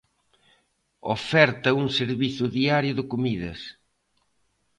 Oferta un servizo diario de comidas.